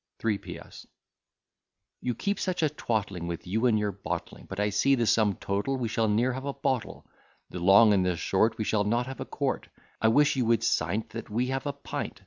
3 P.S. You keep such a twattling with you and your bottling; But I see the sum total, we shall ne'er have a bottle; The long and the short, we shall not have a quart, I wish you would sign't, that we have a pint.